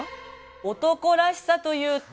男らしさというと。